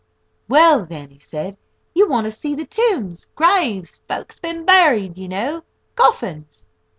"Well then," he said, "you want to see the tombs—graves—folks been buried, you know—coffins!"